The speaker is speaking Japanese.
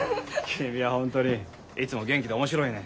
君はホントにいつも元気で面白いね。